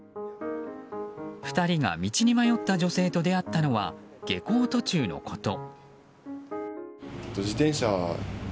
２人が道に迷った女性と出会ったのは下校途中のこと。